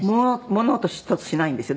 物音一つしないんですよ。